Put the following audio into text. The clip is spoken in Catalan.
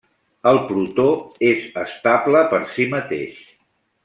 El protó és estable per si mateix.